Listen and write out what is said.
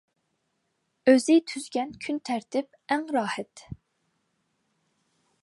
ئۆزى تۈزگەن كۈن تەرتىپ ئەڭ راھەت.